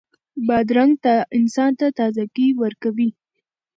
بادرنګ انسان ته تازهګۍ ورکوي.